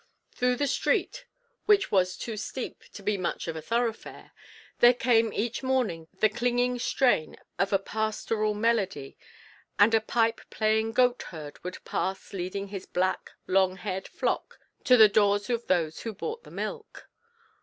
Through the street, which was too steep to be much of a thoroughfare, there came each morning the clinging strain of a pastoral melody, and a pipe playing goat herd would pass leading his black, long haired flock to the doors of those who bought the milk.